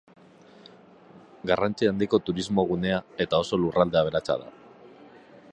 Garrantzi handiko turismo gunea eta oso lurralde aberatsa da.